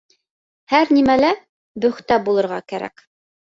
Һәр нәмәлә бөхтә булырға кәрәк